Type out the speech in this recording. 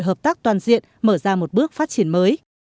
hợp tác toàn diện mở ra một bước phát triển mới